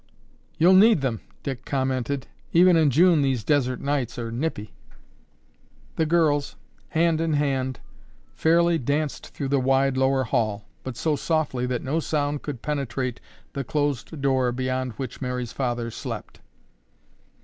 "You'll need them!" Dick commented. "Even in June these desert nights are nippy." The girls, hand in hand, fairly danced through the wide lower hall, but so softly that no sound could penetrate the closed door beyond which Mary's father slept.